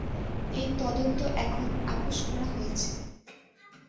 এই তদন্ত এখন আপোস করা হয়েছে।